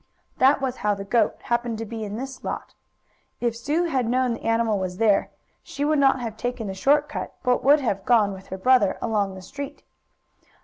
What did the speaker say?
That was how the goat happened to be in this lot. If Sue had known the animal was there, she would not have taken the short cut, but would have gone, with her brother, along the street.